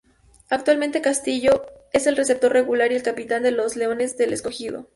Actualmente Castillo es el receptor regular y el capitán de los Leones del Escogido.